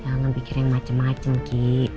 jangan pikir yang macem macem ki